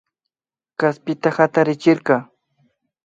Kaspita hatarichirka